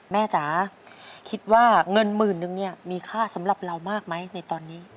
จ๋าคิดว่าเงินหมื่นนึงเนี่ยมีค่าสำหรับเรามากไหมในตอนนี้